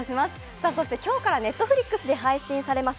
今日からＮｅｔｆｌｉｘで配信されます